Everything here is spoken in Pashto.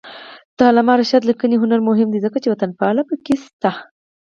د علامه رشاد لیکنی هنر مهم دی ځکه چې وطنپالنه پکې شته.